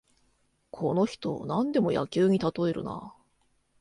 この人、なんでも野球にたとえるな